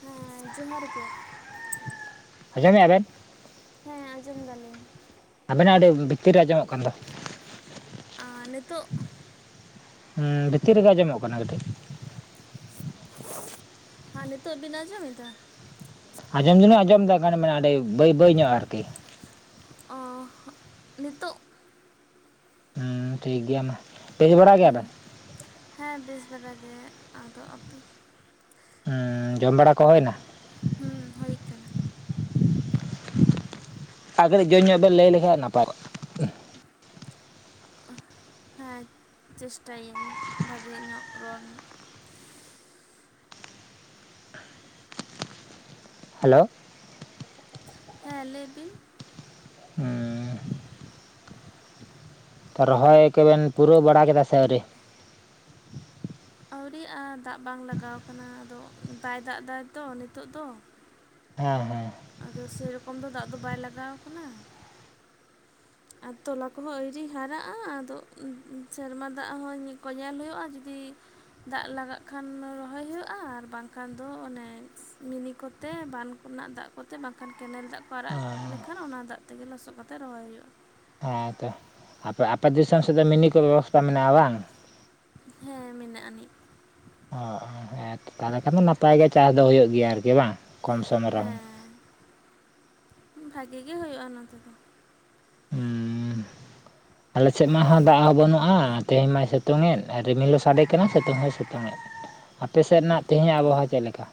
ᱦᱮᱸ ᱡᱚᱦᱟᱨ ᱜᱮ᱾ ᱟᱸᱡᱚᱢᱮ-ᱜᱟ ᱵᱤᱱ? ᱦᱮᱸ ᱟᱸᱡᱚᱢ ᱫᱟᱞᱤᱧ। ᱟᱵᱮᱱᱟᱜ ᱟᱹᱰᱤ ᱵᱷᱤᱛᱤᱨ ᱨᱮ ᱟᱸᱡᱚᱢᱚᱜ ᱠᱟᱱ ᱫᱚ। ᱟᱸ ᱱᱤᱛᱚᱜ? ᱦᱮᱸ ᱵᱷᱤᱛᱤᱨ ᱨᱮᱜᱮ ᱟᱸᱡᱚᱢᱚᱜ ᱠᱟᱱᱟ ᱠᱟᱹᱴᱤᱡ। ᱦᱮᱸ ᱱᱤᱛᱳᱜ ᱵᱤᱱ ᱟᱸᱡᱚᱢᱮᱫᱟ? ᱟᱸᱡᱚᱢ ᱫᱚᱞᱤᱧ ᱟᱸᱡᱚᱢ ᱫᱟ [unintelligible] ᱵᱟᱹᱭ ᱵᱟᱹᱭ ᱧᱚᱜ ᱟᱨᱠᱤ᱾ ᱚ ᱱᱤᱛᱚᱜ? ᱦᱩᱸ ᱴᱷᱤᱠ ᱜᱮᱭᱟ ᱢᱟ᱾ ᱵᱮᱥ ᱵᱟᱲᱟ ᱦᱩᱸ ᱜᱮᱭᱟᱵᱮᱱ ᱦᱮᱸ ᱵᱮᱥ ᱵᱮᱲᱟ ᱜᱮ ᱟᱫᱚ ᱟᱛᱩᱼᱼ ᱦᱩᱸ ᱡᱚᱢ ᱵᱟᱲᱟ ᱠᱚ ᱦᱩᱭᱱᱟ? ᱦᱩᱸ ᱦᱩᱭ ᱠᱟᱱᱟ᱾ ᱟᱨ ᱠᱟᱹᱴᱤᱡ ᱡᱳᱨ ᱧᱚᱜ ᱵᱮᱱ ᱞᱟᱹᱭ ᱞᱮᱠᱷᱟᱱ ᱱᱟᱯᱟᱭ ᱠᱚᱜᱼᱟ। ᱦᱮᱸ। ᱪᱮᱥᱴᱟᱭᱟ ᱞᱤᱧ ᱵᱷᱟᱜᱮ ᱧᱚᱜ ᱨᱚᱲ ᱨᱮᱱᱟᱜ᱾ ᱦᱮᱞᱳ᱾ ᱦᱮᱸ ᱞᱟᱹᱭ ᱵᱤᱱ᱾ ᱦᱮᱸ᱾ ᱛᱚ ᱨᱚᱦᱚᱭ ᱠᱚᱵᱮᱱ ᱯᱩᱨᱟᱹᱣ ᱵᱟᱲᱟ ᱠᱮᱫᱟ ᱥᱮ ᱟᱹᱣᱨᱤ? ᱟᱣᱨᱤᱭᱜᱼᱟ ᱫᱟᱜ ᱵᱟᱝ ᱞᱟᱜᱟᱣ ᱠᱟᱱᱟ ᱟᱫᱚ ᱵᱟᱭ ᱫᱟᱜ ᱫᱟᱭ ᱛᱚ ᱱᱤᱛᱚᱜ ᱫᱚ᱾ ᱦᱮᱸ ᱦᱮᱸ᱾ ᱟᱫᱚ ᱥᱮᱨᱚᱠᱚᱢ ᱫᱚ ᱫᱟᱜ ᱫᱚ ᱵᱟᱭ ᱞᱟᱜᱟᱣ ᱠᱟᱱᱟ᱾ ᱟᱨ ᱛᱚᱞᱟ ᱠᱚᱦᱚᱸ ᱟᱹᱭᱨᱤ ᱦᱟᱨᱟᱜᱼᱟ ᱟᱫᱚ ᱥᱮᱨᱢᱟ ᱫᱟᱜ ᱦᱚᱸ ᱠᱚᱭ ᱧᱮᱞ ᱦᱩᱭᱩᱜᱼᱟ ᱡᱩᱫᱤᱼᱼ ᱫᱟᱜ ᱞᱟᱜᱟᱜ ᱠᱷᱟᱱ ᱨᱚᱦᱚᱭ ᱦᱩᱭᱩᱜᱼᱟ, ᱟᱨ ᱵᱟᱝᱠᱷᱟᱱ ᱫᱚ ᱚᱱᱮ ᱢᱤᱱᱤ ᱠᱚᱼᱼ ᱛᱮ ᱵᱟᱱ ᱠᱚᱱᱟᱜ ᱫᱟᱜ ᱠᱚᱛᱮ ᱵᱟᱝᱠᱷᱟᱱ ᱠᱮᱱᱮᱞ ᱫᱟᱜ ᱠᱚ ᱟᱨᱟᱜ ᱞᱮᱠᱷᱟᱱ ᱚᱱᱟ ᱫᱟᱜ ᱛᱮᱜᱮ ᱞᱚᱥᱚᱫ ᱠᱟᱛᱮ ᱨᱚᱦᱚᱭ ᱦᱩᱭᱩᱜᱼᱟ᱾ ᱦᱮᱸ ᱛᱚ ᱟᱯᱮ ᱟᱯᱮ ᱫᱤᱥᱚᱢ ᱥᱮᱫ ᱫᱚ ᱢᱤᱱᱤ ᱠᱚ ᱵᱮᱵᱚᱥᱛᱟ ᱢᱮᱱᱟᱜᱼᱟ, ᱵᱟᱝ᱾ ᱦᱮᱸ ᱢᱮᱱᱟᱜᱼᱟ ᱱᱤᱡ᱾ ᱚ ᱦᱮᱛᱚ ᱛᱟᱦᱚᱞᱮ ᱠᱷᱟᱱ ᱫᱚ ᱱᱟᱯᱟᱭ ᱜᱮ ᱪᱟᱥ ᱫᱚ ᱦᱩᱭᱩᱜ ᱜᱮᱭᱟ ᱟᱨᱠᱤ ᱵᱟᱝ ᱠᱚᱢ ᱥᱚᱢ ᱨᱮᱦᱚᱸ᱾ ᱵᱷᱟᱜᱤ ᱜᱮ ᱦᱩᱭᱩᱜᱼᱟ ᱱᱚᱛᱮ ᱫᱚ᱾ [unintelligible] ᱟᱞᱮ ᱥᱮᱫ ᱢᱟ ᱦᱚᱸ ᱫᱟᱜ ᱦᱚᱸ ᱵᱟᱹᱱᱩᱜᱼᱟ, ᱛᱮᱦᱮᱧ ᱢᱟᱭ ᱥᱤᱛᱩᱝ ᱮᱫ ᱨᱤᱢᱤᱞ ᱦᱚᱸ ᱥᱟᱰᱮ ᱠᱟᱱᱟ ᱥᱤᱛᱩᱝ ᱦᱚᱸᱭ ᱥᱤᱛᱩᱝ ᱮᱫ᱾ ᱟᱯᱮᱥᱮᱫ ᱨᱮᱱᱟᱜ ᱛᱮᱦᱮᱧᱟᱜ ᱚ ᱟᱵᱚᱦᱟᱣᱟ ᱪᱮᱫ ᱞᱮᱠᱟ?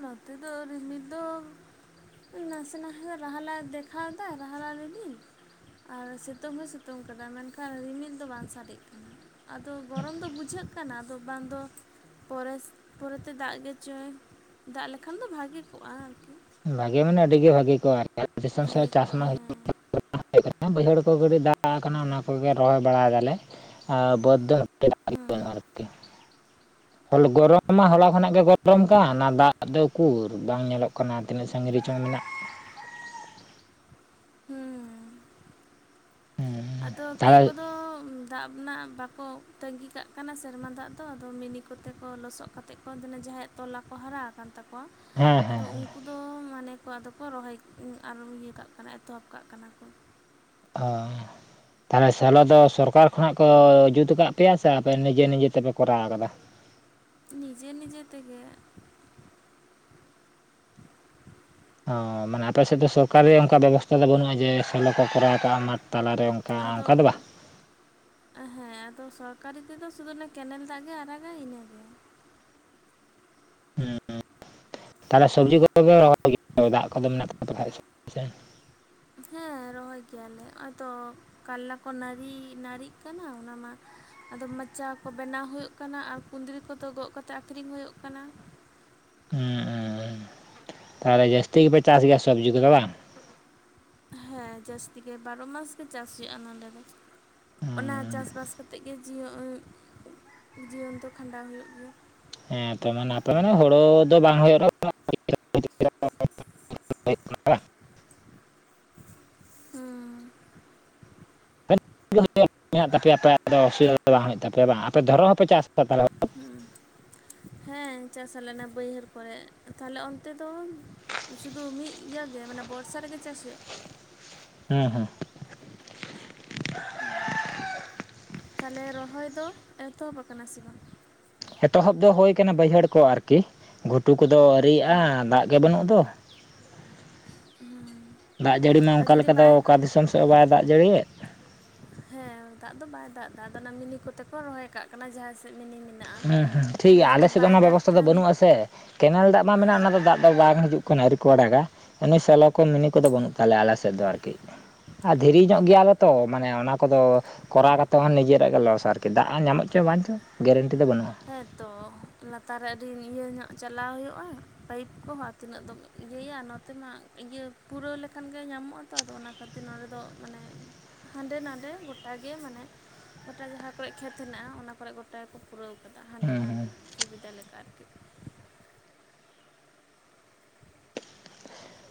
ᱱᱚᱛᱮ ᱫᱚ ᱨᱤᱢᱤᱞ ᱫᱚ ᱱᱟᱥᱮ ᱱᱟᱥᱮ ᱨᱟᱦᱞᱟ ᱫᱮᱠᱷᱟᱣ ᱫᱟ ᱨᱟᱦᱞᱟ ᱨᱤᱢᱤᱞ ᱟᱨ ᱥᱤᱛᱩᱝ ᱮ ᱥᱤᱛᱩᱝ ᱠᱟᱫᱟ ᱢᱮᱱᱠᱷᱟᱱ ᱨᱤᱢᱤᱞ ᱫᱚ ᱵᱟᱝ ᱥᱟᱰᱮᱜ ᱠᱟᱱᱟ᱾ ᱟᱫᱚ ᱜᱚᱨᱚᱢ ᱫᱚ ᱵᱩᱡᱷᱟᱹᱜ ᱠᱟᱱᱟ, ᱟᱫᱚ ᱵᱟᱝ ᱫᱚ ᱯᱚᱨᱮᱥ ᱯᱚᱨᱮᱛᱮ ᱫᱟᱜ ᱜᱮᱪᱚᱭ ᱫᱟᱜ ᱞᱮᱠᱷᱟᱱ ᱫᱚ ᱵᱷᱟᱜᱮ ᱠᱚᱜ-ᱟ ᱟᱨᱠᱤ ᱵᱷᱟᱜᱮ ᱢᱟᱱᱮ ᱟᱹᱰᱤᱜᱮ ᱵᱷᱟᱹᱜᱤ ᱠᱚᱜ-ᱟ ᱟᱨᱠᱤ ᱫᱤᱥᱚᱢ ᱥᱮᱫ ᱵᱷᱟᱜᱮ ᱠᱚᱜᱼᱟ ᱪᱟᱥᱢᱟᱥ ᱦᱮᱸ ᱵᱟᱹᱭᱦᱟᱹᱲ ᱠᱚ ᱠᱟᱹᱴᱤᱡ ᱫᱟᱜ ᱠᱟᱱᱟ ᱚᱱᱟ ᱠᱚᱜᱮ ᱨᱚᱦᱚᱭ ᱵᱟᱲᱟᱭ ᱫᱟᱞᱮ ᱟᱨ ᱵᱟᱹᱫ ᱫᱚ ᱦᱮᱸ [unintelligible] ᱦᱚᱞ ᱜᱚᱨᱚᱢ ᱢᱟ ᱦᱚᱞᱟ ᱠᱷᱚᱱᱟᱜ ᱜᱮ ᱜᱚᱨᱚᱢ ᱠᱟᱱ ᱟᱨ ᱫᱟᱜ ᱫᱚ ᱩᱠᱩᱨ ᱵᱟᱝ ᱧᱮᱞᱚᱜ ᱠᱟᱱᱟ ᱛᱤᱱᱟᱹᱜ ᱥᱟᱺᱜᱤᱧ ᱨᱮᱪᱚᱝ ᱢᱮᱱᱟᱜ ᱦᱩᱸ ᱟᱫᱚ ᱠᱮ ᱛᱟᱦᱚᱞᱮ ᱠᱚᱫᱚ ᱫᱟᱜ ᱵᱱᱟᱜ ᱵᱟᱠᱚ ᱛᱟᱺᱜᱤ ᱠᱟᱜ ᱠᱟᱱᱟ ᱥᱮᱨᱢᱟ ᱫᱟᱜ ᱫᱚ ᱟᱫᱚ ᱢᱤᱱᱤ ᱠᱚᱛᱮ ᱠᱚ ᱞᱚᱥᱚᱫ ᱠᱟᱛᱮ ᱠᱚ ᱡᱟᱦᱟᱸᱭ ᱛᱚᱞᱟ ᱠᱚ ᱦᱟᱨᱟ ᱟᱠᱟᱱ ᱛᱟᱠᱚᱣᱟ ᱦᱮᱸ ᱦᱮᱸ ᱟᱫᱚ ᱩᱝᱠᱩ ᱫᱚ ᱢᱟᱱᱮ ᱠᱚ ᱟᱫᱚ ᱠᱚ ᱨᱚᱦᱚᱭ ᱤᱭᱟᱹ ᱠᱟᱜ ᱠᱟᱱᱟ ᱮᱛᱚᱦᱚᱵ ᱠᱟᱜ ᱠᱟᱱᱟ ᱠᱚ᱾ ᱚ ᱛᱟᱦᱞᱮ ᱥᱮᱞᱚ ᱫᱚ ᱥᱚᱨᱠᱟᱨ ᱠᱷᱚᱱᱟᱜ ᱠᱚ ᱡᱩᱛ ᱟᱠᱟᱫ ᱯᱮᱭᱟ ᱥᱮ ᱟᱯᱮ ᱱᱤᱡᱮ ᱱᱤᱡᱮ ᱛᱮᱯᱮ ᱠᱚᱨᱟᱣ ᱠᱟᱫᱟ? ᱱᱤᱡᱮ ᱱᱤᱡᱮ ᱛᱮᱜᱮ᱾ [inaudible] ᱚ ᱢᱟᱱᱮ ᱟᱯᱮᱥᱮᱫ ᱫᱚ ᱥᱚᱨᱠᱟᱨᱤ ᱚᱝᱠᱟ ᱵᱮᱵᱚᱥᱛᱟ ᱫᱚ ᱵᱟᱹᱱᱩᱜ-ᱟ ᱡᱮ ᱥᱮᱞᱚ ᱠᱚ ᱠᱚᱨᱟᱣ ᱠᱟᱜ-ᱟ ᱢᱟᱴ ᱛᱟᱞᱟᱨᱮ ᱚᱱᱠᱟ ᱟᱫᱚ ᱚᱱᱠᱟ ᱫᱚ ᱵᱟᱝ ᱦᱮᱸ ᱟᱫᱚ ᱥᱚᱨᱠᱟᱨᱤ ᱛᱮᱫᱚ ᱥᱩᱫᱩ ᱚᱱᱮ ᱠᱮᱱᱮᱞ ᱫᱟᱜ ᱜᱮ ᱟᱨᱟᱜᱟᱭ ᱤᱱᱟᱹ ᱜᱮ᱾ ᱦᱩᱸ ᱛᱟᱦᱞᱮ ᱥᱚᱵᱽᱡᱤ ᱠᱚ ᱯᱮ ᱨᱚᱦᱚᱭ ᱜᱮᱭᱟ ᱫᱟᱜ ᱠᱚᱫᱚ ᱛᱟᱯᱮ ᱠᱷᱟᱡ? ᱥᱮ? ᱦᱮᱸ ᱨᱚᱦᱚᱭ ᱜᱮᱭᱟᱞᱮ ᱚᱭ ᱛᱚ ᱠᱟᱞᱞᱟ ᱠᱚ ᱱᱟᱹᱨᱤ ᱱᱟᱹᱨᱤᱜ ᱠᱟᱱᱟ ᱚᱱᱟ ᱢᱟ ᱟᱫᱚ ᱢᱚᱪᱟ ᱠᱚ ᱵᱮᱱᱟᱣ ᱦᱩᱭᱳᱜ ᱠᱟᱱᱟ ᱟᱨ ᱠᱩᱸᱫᱽᱨᱤ ᱠᱚᱫᱚ ᱜᱚᱜ ᱠᱟᱛᱮᱜ ᱟᱠᱷᱨᱤᱧ ᱦᱳᱭᱳᱜ ᱠᱟᱱᱟ᱾ ᱦᱩᱸᱩᱢᱻ ᱛᱟᱦᱞᱮ ᱡᱟᱹᱥᱛᱤ ᱜᱮᱯᱮ ᱪᱟᱥ ᱜᱮᱭᱟ ᱥᱚᱵᱽᱡᱤ ᱠᱚᱫᱚ ᱵᱟᱝ ᱦᱮᱸ ᱡᱟᱹᱥᱛᱤ ᱜᱮ ᱵᱟᱨᱚ ᱢᱟᱥ ᱜᱮ ᱪᱟᱥ ᱦᱩᱭᱩᱜ-ᱟ ᱱᱚᱰᱮ ᱫᱚ᱾ ᱚᱱᱟ ᱪᱟᱥ ᱵᱟᱥ ᱠᱟᱛᱮᱜ ᱜᱮ ᱡᱤᱭᱚ ᱡᱤᱭᱚᱱ ᱛᱚ ᱠᱷᱟᱸᱰᱟᱣ ᱦᱩᱭᱩᱜ ᱜᱮᱭᱟ᱾ ᱦᱮᱸ ᱛᱚ ᱢᱟᱱᱮ ᱟᱯᱮ ᱢᱟᱱᱮ ᱦᱳᱲᱳ ᱫᱚ ᱵᱟᱝ ᱦᱳᱭᱳᱜ ᱨᱮᱦᱚᱸ ᱦᱩᱸ [unintelligible] ᱦᱩᱸ ᱦᱮᱸ ᱪᱟᱥ ᱟᱞᱮ ᱱᱟ ᱵᱟᱹᱭᱦᱟᱹᱲ ᱠᱚᱨᱮᱜ, ᱛᱟᱦᱞᱮ ᱚᱱᱛᱮ ᱫᱚ ᱥᱩᱫᱩ ᱢᱤᱜ ᱤᱭᱟᱹᱜᱮ ᱢᱟᱱᱮ ᱵᱚᱨᱥᱟ ᱨᱮᱜᱮ ᱪᱟᱥ ᱦᱩᱭᱩᱜ-ᱟ? ᱦᱩᱸ ᱦᱩᱸ ᱛᱟᱞᱮ ᱨᱚᱦᱚᱭ ᱫᱚ ᱮᱛᱚᱦᱚᱵ ᱟᱠᱟᱱᱟ ᱥᱮ ᱵᱟᱝ? ᱮᱛᱚᱦᱚᱵ ᱫᱚ ᱦᱳᱭ ᱠᱟᱱᱟ ᱵᱟᱹᱭᱦᱟᱹᱲ ᱠᱚ ᱟᱨᱠᱤ ᱜᱷᱩᱴᱩ ᱠᱚᱫᱚ ᱟᱹᱨᱤᱭᱟᱜ-ᱟ ᱫᱟᱜ ᱜᱮ ᱵᱟᱹᱱᱩᱜ ᱫᱚ ᱫᱟᱜ ᱡᱟᱹᱲᱤ ᱢᱟ ᱟᱨ ᱚᱝᱠᱟ ᱡᱩᱫᱤ ᱞᱮᱠᱟ ᱫᱚ ᱵᱟᱭ ᱚᱠᱟ ᱫᱤᱥᱚᱢ ᱥᱮᱜ ᱦᱚᱸ ᱵᱟᱭ ᱫᱟᱜ ᱡᱟᱹᱲᱤ ᱭᱮᱫ ᱦᱮᱸ ᱫᱟᱜ ᱫᱚ ᱵᱟᱭ ᱫᱟᱜ ᱫᱟ ᱟᱫᱚ ᱚᱱᱟ ᱢᱤᱱᱤ ᱠᱚᱛᱮ ᱠᱚ ᱨᱚᱦᱚᱭ ᱠᱟᱜ ᱠᱟᱱᱟ ᱡᱟᱦᱟᱸᱭ ᱥᱮᱫ ᱢᱤᱱᱤ ᱢᱮᱱᱟ ᱦᱮᱸ ᱦᱮᱸ ᱴᱷᱤᱠ ᱜᱮᱭᱟ ᱟᱞᱮᱥᱮᱫ ᱫᱚ ᱚᱱᱟ ᱵᱮᱵᱚᱥᱛᱷᱟ ᱫᱚ ᱠᱷᱟᱱ ᱵᱟᱹᱱᱩᱜ ᱟᱥᱮ ᱠᱮᱱᱮᱞ ᱫᱟᱜ ᱢᱟ ᱢᱮᱱᱟᱜ ᱚᱱᱟ ᱦᱮᱸ ᱫᱚ ᱫᱟᱜ ᱫᱚ ᱵᱟᱝ ᱦᱟᱡᱩᱜ ᱠᱟᱱᱟ ᱟᱹᱨᱤ ᱠᱚ ᱟᱲᱟᱜᱟ ᱤᱱᱟᱹ ᱥᱮᱞᱚ ᱠᱚ ᱢᱤᱱᱤ ᱠᱚᱫᱚ ᱵᱟᱹᱱᱩᱜ ᱛᱟᱞᱮᱭᱟ ᱟᱞᱮ ᱥᱮᱫ ᱫᱚ ᱟᱨᱠᱤ ᱟᱨ ᱫᱷᱤᱨᱤ ᱚ ᱧᱚᱜ ᱜᱮᱭᱟ ᱞᱮ ᱛᱚ ᱢᱟᱱᱮ ᱚᱱᱟ ᱠᱚᱫᱚ ᱠᱚᱨᱟᱣ ᱠᱟᱛᱮ ᱦᱚᱸ ᱱᱤᱡᱮᱨᱟᱜ ᱜᱮ ᱞᱚᱥ ᱟᱨᱠᱤ ᱫᱟᱜ ᱦᱚᱸ ᱧᱟᱢᱚᱜ ᱪᱚᱭ ᱵᱟᱝ ᱪᱚ ᱜᱮᱨᱮᱱᱴᱤ ᱫᱚ ᱵᱟᱹᱱᱩᱜ-ᱟ᱾ ᱦᱮᱸ ᱛᱚ ᱞᱟᱛᱟᱨ ᱨᱮ ᱟᱹᱰᱤ ᱤᱭᱟᱹ ᱧᱚᱜ ᱪᱟᱞᱟᱣ ᱦᱳᱭᱳᱜ-ᱟ ᱯᱟᱭᱤᱯ ᱠᱚᱦᱚᱸ ᱟᱨ ᱛᱤᱱᱟᱹᱜ ᱫᱚ ᱤᱭᱟᱹᱭᱟ ᱱᱚᱛᱮ ᱢᱟ ᱤᱭᱟᱹ ᱯᱩᱨᱟᱹᱣ ᱞᱮᱠᱷᱟᱱ ᱜᱮ ᱧᱟᱢᱚᱜ-ᱟ ᱛᱚ ᱟᱫᱚ ᱚᱱᱟ ᱠᱷᱟᱹᱛᱤᱨ ᱱᱚᱰᱮ ᱫᱚ ᱢᱟᱱᱮ ᱦᱟᱸᱰᱮ ᱱᱟᱰᱮ ᱜᱚᱴᱟ ᱜᱮ ᱢᱟᱱᱮ ᱜᱚᱴᱟ ᱡᱟᱦᱟᱸ ᱠᱚᱨᱮᱜ ᱠᱷᱮᱛ ᱦᱮᱱᱟᱜ-ᱟ ᱚᱱᱟᱠᱨᱮᱜ ᱜᱚᱴᱟ ᱜᱮᱠᱚ ᱯᱩᱨᱟᱹᱣ ᱠᱟᱫᱟ ᱦᱟᱸᱰᱮ ᱦᱩᱸ ᱱᱟᱰᱮ ᱦᱩᱸ ᱥᱩᱵᱤᱫᱟ ᱞᱮᱠᱟ ᱟᱨᱠᱤ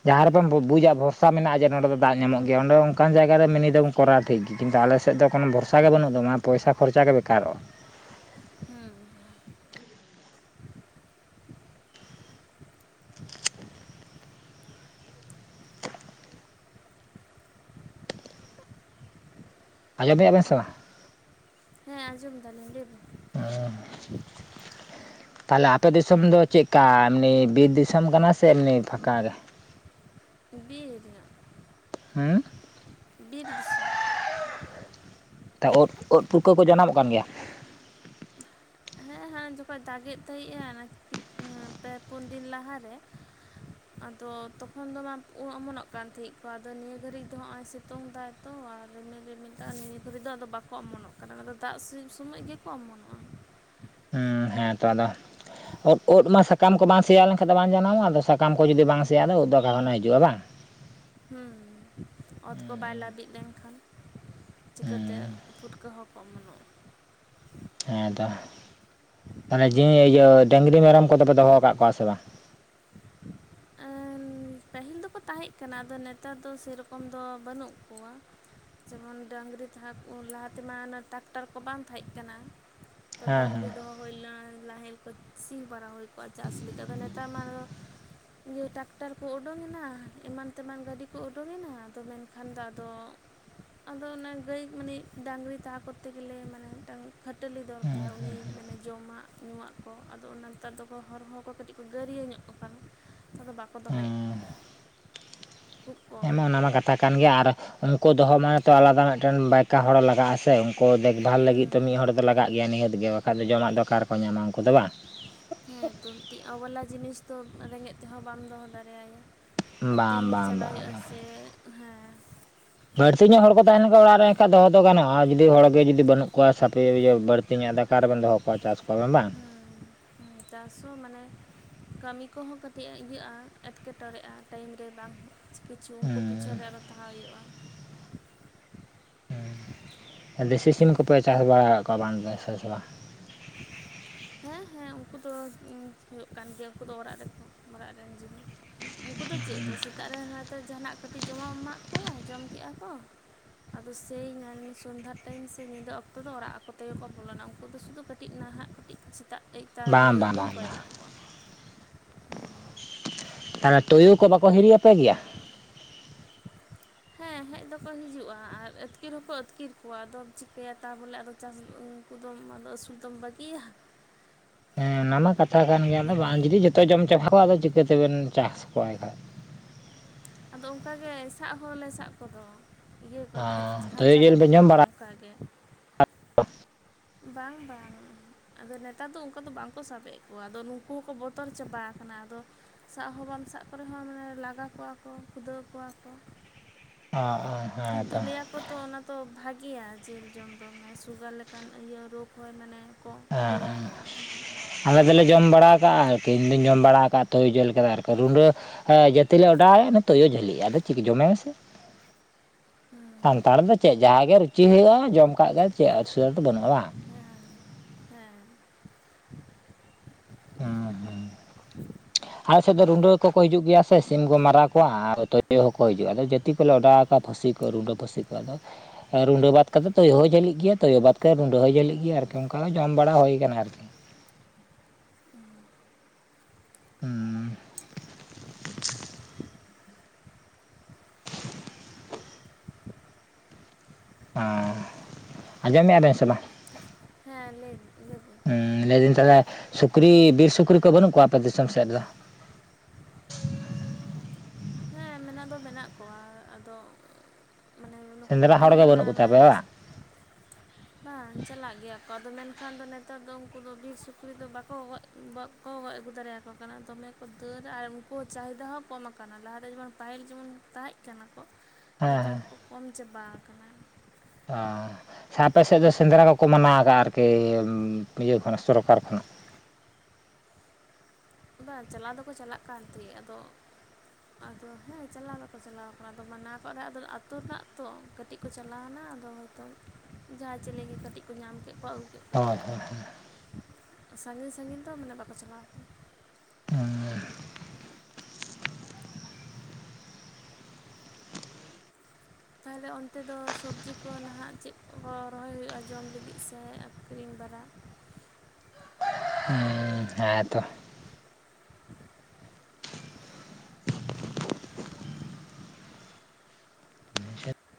ᱡᱟᱦᱟᱸ ᱨᱮᱵᱚᱱ ᱵᱩ ᱵᱩᱡᱟ ᱵᱷᱚᱨᱥᱟ ᱢᱮᱱᱟᱜᱟ ᱡᱮ ᱱᱚᱰᱮ ᱫᱚ ᱫᱟᱜ ᱧᱟᱢᱚᱜ ᱜᱮᱭᱟ ᱚᱸᱰᱮ ᱚᱝᱠᱟᱱ ᱡᱟᱭᱜᱟ ᱨᱮ ᱢᱤᱱᱤ ᱫᱚᱢ ᱠᱚᱨᱟᱣ ᱴᱷᱤᱠ ᱜᱤ ᱠᱤᱱᱛᱩ ᱟᱞᱮ ᱥᱮᱫ ᱫᱚ ᱠᱚᱱᱚ ᱵᱷᱚᱨᱥᱟ ᱜᱮ ᱵᱟᱹᱱᱩᱜ ᱫᱚ ᱢᱟᱱᱮ ᱯᱚᱭᱥᱟ ᱠᱷᱚᱨᱪᱟ ᱜᱮ ᱵᱮᱠᱟᱨᱚᱜ-ᱟ᱾ ᱦᱩᱸ ᱟᱡᱸᱚᱢ ᱮᱜᱼᱟ ᱵᱮᱱ ᱥᱮ ᱵᱟᱝᱼᱼ ᱦᱮᱸ ᱟᱸᱡᱚᱢ ᱫᱟᱞᱤᱧ ᱞᱟᱹᱭ ᱵᱤᱱᱼᱼ ᱚᱻ ᱛᱟᱦᱞᱮ ᱟᱯᱮ ᱫᱤᱥᱚᱢ ᱫᱚ ᱪᱮᱜᱠᱟ ᱮᱢᱱᱤ ᱵᱤᱨ ᱫᱤᱥᱚᱢ ᱠᱟᱱᱟ ᱥᱮ ᱮᱢᱱᱤ ᱯᱷᱟᱠᱟ ᱜᱮᱼᱼ ᱵᱤᱨ ᱧᱚᱜ ᱦᱩᱸ ᱵᱤᱨ ᱫᱤᱥᱚᱢ᱾ ᱛᱟ ᱩᱫ ᱩᱫ ᱯᱩᱴᱠᱟᱹ ᱠᱚ ᱡᱟᱱᱟᱢᱚᱜ ᱠᱟᱱ ᱜᱮᱭᱟ᱾ ᱦᱮᱸ ᱦᱮᱸ ᱡᱚᱠᱷᱚᱡ ᱫᱟᱜᱮᱫ ᱛᱟᱦᱤᱸᱜ-ᱟ ᱯᱮ ᱯᱩᱱ ᱫᱤᱱ ᱞᱟᱦᱟ ᱨᱮᱼᱼ ᱟᱫᱚ ᱛᱚᱠᱷᱚᱱ ᱫᱚ ᱢᱟ ᱚᱢᱚᱱᱚᱜ ᱠᱟᱱ ᱛᱟᱦᱮᱡ ᱠᱚ ᱟᱫᱚ ᱱᱤᱭᱟᱹ ᱜᱷᱟᱹᱲᱤᱡ ᱫᱚ ᱦᱟᱸᱜ-ᱚᱭ ᱥᱤᱛᱩᱝ ᱫᱟᱭ ᱛᱚ ᱟᱨ ᱨᱤᱢᱤᱞ ᱨᱤᱢᱤᱞ ᱟᱞᱮ ᱱᱤᱛ ᱫᱷᱟᱹᱵᱤᱡ ᱫᱚ ᱟᱫᱚ ᱵᱟᱠᱚ ᱚᱢᱚᱱᱚᱜ ᱠᱟᱱᱟ᱾ ᱟᱫᱚ ᱫᱟᱜ ᱥᱤᱯ ᱥᱚᱢᱚᱡ ᱜᱮᱠᱚ ᱚᱢᱚᱱᱚᱜᱼᱟ᱾ ᱦᱮᱸ ᱛᱚ ᱟᱫᱚ ᱩᱫ ᱩᱫ ᱢᱟ ᱥᱟᱠᱟᱢ ᱠᱚ ᱵᱟᱝ ᱥᱮᱭᱟ ᱞᱮᱱᱠᱷᱟᱱ ᱫᱚ ᱵᱟᱝ ᱡᱟᱱᱟᱢᱚᱜᱼᱟ᱾ ᱟᱫᱚ ᱥᱟᱠᱟᱢ ᱠᱚ ᱡᱩᱫᱤ ᱵᱟᱝ ᱥᱮᱭᱟᱜᱟ ᱟᱫᱚ ᱩᱫ ᱫᱚ ᱚᱠᱟ ᱠᱷᱚᱱᱟᱜ ᱦᱤᱡᱩᱜᱼᱟ ᱵᱟᱝ? ᱦᱩᱸ ᱚᱛ ᱠᱚ ᱵᱟᱭ ᱞᱟᱹᱵᱤᱫ ᱞᱮᱱᱠᱷᱟᱱ ᱪᱤᱠᱟᱹᱛᱮ ᱦᱩᱸ ᱯᱷᱩᱴᱠᱟᱹ ᱦᱚᱸ ᱠᱚ ᱚᱢᱚᱱᱚᱜ ᱦᱮᱸ ᱛᱚ, ᱛᱟᱞᱦᱮ ᱡᱤᱣᱤ ᱤᱭᱟᱹ ᱰᱟᱹᱝᱨᱤ ᱢᱮᱨᱚᱢ ᱠᱚᱫᱚ ᱯᱮ ᱫᱚᱦᱚ ᱠᱟᱜ ᱠᱚᱣᱟ ᱥᱮ ᱵᱟᱝ? ᱮᱸ ᱯᱟᱦᱤᱞ ᱫᱚᱠᱚ ᱛᱟᱦᱮᱸᱜ ᱠᱟᱱᱟ, ᱟᱫᱚ ᱱᱮᱛᱟᱨ ᱫᱚ ᱥᱮᱨᱚᱠᱚᱢ ᱫᱚ ᱵᱟᱹᱱᱩᱜ ᱠᱚᱣᱟ᱾ ᱡᱮᱢᱚᱱ ᱰᱟᱹᱝᱜᱽᱨᱤ ᱛᱟᱦᱮᱸ, ᱞᱟᱦᱟ ᱛᱮᱢᱟ ᱴᱨᱟᱠᱴᱟᱨ ᱠᱚ ᱵᱟᱝ ᱛᱟᱦᱮᱸ ᱠᱟᱱᱟ᱾ ᱦᱮᱸ ᱦᱮᱸ ᱰᱟᱹᱝᱜᱽᱨᱤ ᱫᱚᱦᱚ ᱦᱩᱭ ᱞᱮᱱᱟ, ᱱᱟᱦᱮᱞ ᱠᱚ ᱥᱤᱧ ᱵᱟᱨᱟ ᱦᱩᱭ ᱠᱚᱜᱼᱟ᱾ ᱪᱟᱥ ᱞᱮᱠᱟ ᱫᱚ ᱱᱮᱛᱟᱨ ᱢᱟ ᱤᱭᱟᱹ ᱴᱟᱠᱴᱟᱨ ᱠᱚ ᱩᱰᱩᱝ ᱮᱱᱟ, ᱮᱢᱟᱱ ᱛᱮᱢᱟᱱ ᱜᱟᱹᱰᱤ ᱠᱚ ᱩᱰᱩᱝ ᱮᱱᱟ, ᱟᱫᱚ ᱢᱮᱱᱠᱷᱟᱱ ᱫᱚ ᱟᱫᱚ ᱟᱫᱚ ᱚᱱᱮ ᱜᱟᱹᱭ ᱢᱟᱱᱮ ᱰᱟᱹᱝᱜᱽᱨᱤ ᱛᱟᱦᱮᱸ ᱠᱚᱛᱮ ᱜᱮᱞᱮ ᱢᱟᱱᱮ ᱢᱤᱫ ᱴᱟᱝ ᱠᱷᱟᱹᱴᱟᱹᱞᱤ ᱫᱚᱨᱠᱟᱨ ᱩᱱᱤ ᱢᱟᱱᱮ ᱡᱚᱢᱟᱜ, ᱧᱩᱣᱟᱜ ᱠᱚ, ᱟᱫᱚ ᱚᱱᱟ ᱱᱮᱛᱟᱨ ᱫᱚᱠᱚ ᱦᱚᱨᱢᱚᱸ ᱠᱚ ᱠᱟᱹᱴᱤᱡ ᱠᱚ ᱜᱟᱹᱨᱭᱟᱹ ᱧᱚᱜ ᱠᱟᱱᱟ᱾ ᱟᱫᱚ ᱵᱟᱠᱚ ᱫᱚᱦᱚᱭᱮᱜ ᱦᱩᱸ ᱠᱷᱩᱵ ᱦᱮᱸ ᱠᱚᱢ ᱢᱟ ᱚᱱᱟ ᱢᱟ ᱠᱟᱛᱷᱟ ᱠᱟᱱ ᱜᱮᱭᱟ ᱟᱨ ᱩᱱᱠᱩ ᱫᱚᱦᱚ ᱢᱟᱱᱮ ᱛᱚ ᱟᱞᱟᱫᱟ ᱢᱤᱫᱴᱮᱱ ᱵᱟᱭᱠᱟ ᱦᱚᱲ ᱞᱟᱜᱟᱜᱼᱟ ᱥᱮ᱾ ᱠᱚ ᱫᱮᱠᱵᱷᱟᱞ ᱞᱟᱹᱜᱤᱫ ᱦᱮᱸ ᱛᱚ ᱢᱤᱫ ᱦᱚᱲ ᱫᱚ ᱞᱟᱜ ᱜᱮᱭᱟ᱾ ᱱᱤᱦᱟᱹᱛ ᱜᱮ ᱵᱟᱠᱷᱟᱡ ᱫᱚ ᱡᱚᱢᱟᱜ ᱫᱚ ᱚᱠᱟ ᱨᱮ ᱠᱚ ᱧᱟᱢᱟ ᱩᱝᱠᱩ ᱫᱚ ᱵᱟᱝ? ᱦᱮᱸ ᱛᱚ ᱛᱤᱜ ᱚᱵᱟᱞᱟ ᱡᱤᱱᱤᱥ ᱫᱚ ᱨᱮᱸᱜᱮᱡ ᱛᱮᱦᱚᱸ ᱵᱟᱢ ᱫᱚᱦᱚ ᱫᱟᱲᱮᱭᱟ᱾ ᱵᱟᱝ ᱟᱹᱛᱤᱧ ᱵᱟᱝ ᱪᱟᱞᱟᱣ ᱵᱟᱝ ᱦᱩᱭᱩᱜ-ᱟ ᱵᱟᱝ ᱥᱮ ᱦᱮᱸ᱾ ᱵᱟᱹᱲᱛᱤ ᱧᱚᱜ ᱦᱚᱲ ᱠᱚ ᱛᱟᱦᱮ ᱞᱮ ᱠᱷᱟᱱ, ᱚᱲᱟᱜ ᱨᱮ ᱮᱱᱠᱷᱟᱡ ᱫᱚᱦᱚ ᱫᱚ ᱜᱟᱱᱚᱜᱼᱟ, ᱡᱩᱫᱤ ᱦᱚᱲᱜᱮ ᱡᱩᱫᱤ ᱵᱟᱹᱱᱩᱜ ᱠᱚᱣᱟ ᱥᱟᱯᱮ ᱤᱭᱟᱹᱵᱟᱲ ᱛᱮᱦᱮᱧᱟᱜ ᱫᱟᱠᱟ ᱨᱮᱵᱮᱱ ᱫᱚᱦᱚ ᱠᱚᱣᱟ ᱪᱟᱥ ᱠᱚᱣᱟ ᱵᱮᱱ ᱵᱟᱝ? ᱦᱮᱸ ᱪᱟᱥ ᱦᱚᱸ ᱢᱟᱱᱮ ᱠᱟᱹᱢᱤ ᱠᱚᱦᱚᱸ ᱠᱟᱹᱴᱤᱡ ᱤᱭᱟᱹᱜᱼᱟ, ᱮᱸᱴᱠᱮᱴᱚᱲᱮᱜᱼᱟ, ᱴᱟᱭᱤᱢ ᱨᱮ ᱵᱟᱝ ᱵᱤᱥᱤ ᱠᱤᱪᱷᱩ ᱠᱚ ᱯᱤᱪᱷᱚᱱ ᱨᱮ ᱟᱨᱚ ᱛᱟᱦᱮᱸ ᱦᱩᱭᱩᱜᱼᱟ᱾ ᱫᱮᱥᱤ ᱥᱤᱢ ᱠᱚᱯᱮ ᱪᱟᱥ ᱵᱟᱲᱟ ᱠᱚᱣᱟ ᱵᱟᱝ ᱥᱮ ᱵᱟᱝ? [inaudible] ᱦᱮᱸ ᱦᱮᱸ, ᱩᱱᱠᱩ ᱫᱚ ᱦᱩᱭᱩᱜ ᱠᱟᱱ ᱜᱮᱭᱟ, ᱩᱱᱠᱩ ᱫᱚ ᱚᱲᱟᱜ ᱨᱮᱠᱚ ᱚᱲᱟᱜ ᱨᱮᱱ ᱡᱟᱦᱟ ᱩᱱᱠᱩ ᱫᱚ ᱪᱮᱫ ᱛᱚ ᱥᱮᱛᱟᱜ ᱨᱮ ᱦᱚᱭ ᱛᱚ ᱡᱟᱦᱟᱱᱟᱜ ᱠᱟᱹᱴᱤᱡ ᱡᱚᱢᱟᱜ ᱮᱢᱟᱜ ᱠᱚᱣᱟ, ᱡᱚᱢ ᱠᱮᱜᱼᱟ ᱠᱚ᱾ ᱟᱫᱚ ᱥᱮᱭ ᱥᱚᱱᱫᱷᱟᱲ ᱴᱟᱭᱤᱢ ᱥᱮ ᱧᱤᱫᱟᱹ ᱚᱠᱛᱚ ᱫᱚ ᱚᱲᱟᱜ ᱟᱠᱚ ᱛᱮᱜᱮ ᱠᱚ ᱵᱚᱞᱚᱱᱟ᱾ ᱩᱱᱠᱩ ᱫᱚ ᱥᱩᱫᱩ ᱠᱟᱹᱴ ᱴᱤᱡ ᱱᱟᱦᱟᱸᱜ ᱠᱟᱹᱴᱤᱡ ᱥᱮᱛᱟᱜ ᱮᱭ ᱵᱟᱝ, ᱵᱟ ᱵᱟ ᱵᱟᱝ ᱾ ᱛᱟᱞᱮ ᱛᱩᱭᱩ ᱠᱚ ᱵᱟᱠᱚ ᱦᱤᱨᱤᱭᱟᱯᱮ ᱜᱮᱭᱟ? ᱦᱮᱸ ᱦᱮᱡ ᱫᱚᱠᱚ ᱦᱤᱡᱩᱜᱼᱟ ᱟᱨ ᱟᱹᱛᱠᱤᱨ ᱦᱚᱸ ᱠᱚ ᱟᱹᱛᱠᱤᱨ ᱠᱚᱣᱟ᱾ ᱟᱫᱚᱢ ᱪᱤᱠᱟᱹᱭᱟ ᱛᱟᱵᱚᱞᱮ ᱟᱫᱚ ᱪᱟᱥ ᱩᱠᱩᱫᱚᱢ ᱟᱫᱚ ᱟᱹᱥᱩᱞ ᱫᱚᱢ ᱵᱟᱹᱜᱤᱭᱟ? ᱦᱮᱸ ᱚᱱᱟ ᱢᱟ ᱠᱟᱛᱷᱟ ᱠᱟᱱ ᱜᱮᱭᱟ, ᱟᱫᱚ ᱵᱟᱝ ᱡᱩᱫᱤ ᱡᱷᱚᱛᱚᱭ ᱡᱚᱢ ᱪᱟᱵᱟ ᱠᱚᱣᱟ ᱟᱫᱚ ᱪᱤᱠᱟᱹᱛᱮᱵᱮᱱ ᱪᱟᱥ ᱠᱚᱜᱣᱟ ᱮᱱᱠᱷᱟᱡ? ᱟᱫᱚ ᱚᱝᱠᱟ ᱜᱮ ᱥᱟᱵ ᱦᱚᱸᱞᱮ ᱥᱟᱵ ᱠᱚᱫᱚ᱾ ᱤᱭᱟᱹ ᱵᱟᱨᱠᱷᱟ ᱚ ᱛᱩᱭᱩ ᱠᱷᱟᱧᱪᱟ ᱞᱮ ᱡᱤᱞ ᱯᱮ ᱡᱚᱢ ᱵᱮᱱᱟᱣᱟ ᱵᱟᱲᱟ ᱟᱱᱠᱟ ᱜᱮ [inaudible] ᱵᱟᱝ ᱵᱟᱝ᱾ ᱟᱫᱚ ᱱᱮᱛᱟᱨ ᱫᱚ ᱚᱝᱠᱟ ᱫᱚ ᱵᱟᱝ ᱠᱚ ᱥᱟᱵᱮᱜ ᱠᱚᱣᱟ, ᱟᱫᱚ ᱱᱩᱠᱩ ᱦᱚᱸᱠᱚ ᱵᱚᱛᱚᱨ ᱪᱟᱵᱟ ᱠᱟᱱᱟ᱾ ᱟᱫᱚ ᱥᱟᱵ ᱦᱚᱸ ᱵᱟᱢ ᱥᱟᱵ ᱠᱚᱨᱮ ᱦᱚᱸ, ᱢᱟᱱᱮ ᱞᱟᱜᱟ ᱠᱚᱣᱟ ᱠᱚ ᱠᱷᱩᱫᱟᱹᱣ ᱠᱚᱣᱟ ᱠᱚ᱾ ᱟ ᱦᱚᱸ᱾ ᱠᱤᱱᱛᱩ ᱞᱟᱹᱭᱟ ᱠᱚ ᱛᱚ ᱚᱱᱟ ᱫᱚ ᱵᱷᱟᱜᱮᱭᱟ ᱡᱤᱞ ᱡᱚᱢ ᱫᱚ, ᱢᱟᱱᱮ ᱥᱩᱜᱟᱨ ᱞᱮᱠᱟᱱ ᱤᱭᱟᱹ ᱨᱳᱜᱽ ᱦᱚ ᱢᱟᱱᱮ ᱠᱚ ᱤᱭᱟ ᱦᱮᱸ ᱟᱨ ᱦᱮᱸ ᱟᱞᱮ ᱫᱚᱞᱮ ᱡᱚᱢ ᱵᱟᱲᱟ ᱠᱟᱜᱼᱟ, ᱟᱨᱠᱤ ᱤᱧᱫᱚᱧ ᱡᱚᱢ ᱵᱟᱲᱟ ᱠᱟᱜᱼᱟ ᱛᱩᱭᱩ ᱡᱤᱞ ᱠᱚᱫ ᱟᱨ ᱠᱚ ᱨᱩᱰᱟᱹ ᱦᱮᱸ ᱡᱟᱹᱛᱤ ᱞᱮ ᱚᱰᱟᱣᱮᱜ ᱛᱩᱭᱩ ᱡᱷᱟᱹᱞᱤᱜᱼᱟ᱾ ᱟᱫᱚ ᱪᱤᱞᱤ ᱡᱚᱢᱮᱭ ᱢᱮᱥᱮ ᱥᱟᱱᱛᱟᱲ ᱫᱚ ᱪᱮᱫ? ᱡᱟᱦᱟ ᱜᱮ ᱨᱩᱪᱤ ᱦᱩᱭᱩᱜᱼᱟ, ᱡᱚᱢ ᱠᱟᱜ ᱜᱮ ᱪᱮᱫ ᱚᱥᱩᱵᱤᱫᱟ ᱫᱚ ᱵᱟᱹᱱᱩᱜᱼᱟ ᱵᱟᱝ? ᱦᱮᱸ ᱦᱮᱸ [unintelligible] [inaudible] ᱟᱞᱮ ᱥᱮᱫ ᱫᱚ ᱨᱩᱸᱰᱟᱹ ᱠᱚᱠᱚ ᱦᱤᱡᱩᱜ ᱜᱮᱭᱟ ᱥᱮ ᱥᱤᱢ ᱠᱚ ᱢᱟᱨᱟᱶ ᱠᱚᱣᱟ ᱟᱨ ᱛᱩᱭᱩ ᱦᱚᱸᱠᱚ ᱦᱤᱡᱩᱜᱼᱟ ᱟᱫᱚ ᱡᱟᱹᱛᱤ ᱠᱚᱞᱮ ᱚᱰᱟᱣ ᱟᱠᱟᱫ᱾ ᱯᱷᱟᱥᱤ ᱠᱚ ᱨᱩᱸᱰᱟᱹ ᱯᱷᱟᱥᱤ ᱠᱚ ᱟᱫᱚᱼᱼ ᱨᱩᱸᱰᱟᱹ ᱵᱟᱫᱽ ᱠᱟᱛᱮᱫ ᱛᱚᱭᱳ ᱦᱚᱸᱭ ᱡᱷᱟᱞᱤᱜ ᱜᱮᱭᱟ ᱛᱚᱭᱳ ᱵᱟᱫ ᱠᱟᱛᱮ ᱨᱩᱸᱰᱟᱹ ᱦᱚᱸᱭ ᱡᱷᱟᱹᱞᱤᱜ ᱜᱮᱭᱟ ᱟᱨᱠᱤ ᱚᱱᱠᱟ ᱦᱚᱸ ᱡᱚᱢ ᱵᱟᱲᱟ ᱦᱩᱭ ᱟᱠᱟᱱᱟ ᱟᱨᱠᱤᱼᱼ ᱦᱩᱸ ᱦᱮᱸ ᱟᱸᱡᱚᱢ ᱮᱫ ᱟᱵᱮᱱ ᱥᱮ ᱵᱟᱝ ᱦᱮᱸ ᱞᱟᱹᱭ ᱵᱤᱱ [unintelligible] ᱦᱮᱸ ᱞᱟᱹᱭ ᱫᱟᱹᱧ ᱛᱟᱦᱚᱞᱮ ᱥᱩᱠᱨᱤ ᱵᱤᱨ ᱥᱩᱠᱨᱤ ᱠᱚ ᱵᱟᱹᱱᱩᱜ ᱠᱚᱣᱟ ᱟᱯᱮ ᱫᱤᱥᱚᱢ ᱥᱮᱫ ᱨᱮ ᱫᱚᱼᱼ ᱦᱮᱸ ᱢᱮᱱᱟᱜ ᱫᱚ ᱢᱮᱱᱟᱜ ᱠᱚᱣᱟ ᱟᱫᱚᱼᱼ ᱥᱮᱸᱫᱽᱨᱟ ᱦᱚᱲ ᱜᱮ ᱵᱟᱹᱱᱩᱜ ᱠᱚ ᱢᱟᱱᱮ ᱛᱟᱯᱮᱭᱟ ᱵᱟᱝ ᱵᱟᱝ ᱪᱟᱞᱟᱜ ᱜᱮᱭᱟ ᱠᱚ ᱟᱫᱚ ᱢᱮᱱ ᱠᱷᱟᱱ ᱫᱚ ᱱᱮᱛᱟᱨ ᱫᱚ ᱩᱱᱠᱩ ᱫᱚ ᱵᱤᱨ ᱥᱩᱠᱨᱤ ᱫᱚ ᱵᱟᱠᱚ ᱜᱚᱡᱼᱼ ᱠᱚ ᱜᱚᱡᱽ ᱟᱹᱜᱩ ᱫᱟᱲᱮᱭ ᱟᱠᱚ ᱠᱟᱱᱟ ᱫᱚᱢᱮ ᱠᱚ ᱫᱟᱹᱲᱟ ᱟᱨ ᱩᱱᱠᱩ ᱪᱟᱦᱤᱫᱟ ᱦᱚᱸ ᱠᱚᱢ ᱟᱠᱟᱱᱟ ᱞᱟᱦᱟ ᱛᱮᱼᱼ ᱥᱮᱫᱟᱭ ᱡᱮᱢᱚᱱ ᱯᱟᱭᱦᱤᱞ ᱡᱮᱢᱚᱱ ᱛᱟᱦᱮᱸᱜ ᱠᱟᱱᱟ ᱠᱚ ᱦᱮᱸ ᱱᱮᱛᱟᱨ ᱦᱮᱸ ᱦᱚᱸ ᱠᱚ ᱠᱚᱢ ᱪᱟᱵᱟ ᱟᱠᱟᱱᱟ᱾ ᱚ ᱥᱮ ᱟᱯᱮ ᱥᱮᱫ ᱫᱚ ᱥᱮᱸᱫᱽᱨᱟ ᱠᱚ ᱠᱚ ᱢᱟᱱᱟᱣ ᱟᱠᱟᱜᱼᱟ ᱟᱨᱠᱤ ᱤᱭᱟᱹ ᱠᱷᱚᱱᱟᱜ ᱥᱚᱨᱠᱟᱨ ᱠᱷᱚᱱᱟᱜ ᱵᱟᱝ ᱪᱟᱞᱟᱣ ᱫᱚ ᱠᱚ ᱪᱟᱞᱟᱜ ᱠᱟᱱ ᱛᱟᱦᱮᱸᱫ ᱟᱫᱚᱼᱼ ᱟᱫᱚ ᱦᱮᱸ ᱪᱟᱞᱟᱣ ᱫᱚ ᱠᱚ ᱪᱟᱞᱟᱣ ᱠᱟᱱᱟ ᱟᱫᱚ ᱢᱟᱱᱟᱣ ᱠᱚᱜ ᱨᱮ ᱦᱚᱸ ᱟᱫᱚ ᱟᱹᱛᱩ ᱨᱮᱱᱟᱜ ᱛᱚ ᱠᱟᱹᱴᱤᱡᱼᱼ ᱠᱚ ᱪᱟᱞᱟᱣ ᱱᱟ ᱟᱫᱚ ᱦᱚᱭᱛᱚ ᱡᱟᱦᱟᱸᱭ ᱪᱤᱞᱤ ᱜᱮ ᱠᱟᱹᱴᱤᱡ ᱠᱚ ᱧᱟᱢ ᱠᱮᱫ ᱠᱚᱣᱟ [unintelligible] ᱦᱳᱭ ᱥᱟᱺᱜᱤᱧ ᱥᱟᱺᱜᱤᱧ ᱫᱚ ᱢᱟᱱᱮ ᱵᱟᱠᱚ ᱪᱟᱞᱟᱣ ᱠᱟᱱᱟ ᱦᱩᱹ ᱛᱟᱦᱚᱞᱮ ᱚᱱᱛᱮ ᱫᱚ ᱥᱚᱵᱽᱡᱤ ᱠᱚ ᱱᱟᱦᱟᱜ ᱪᱮᱫ ᱠᱚ ᱨᱚᱦᱚᱭ ᱦᱩᱭᱩᱜᱼᱟ ᱡᱚᱢ ᱞᱟᱹᱜᱤᱫ ᱥᱮ ᱟᱠᱷᱨᱤᱧ ᱵᱟᱨᱟᱠᱼᱼ ᱦᱮᱸ ᱛᱚ